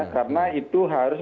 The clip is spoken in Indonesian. karena itu harus